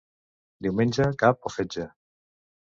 Diumenge, cap o fetge.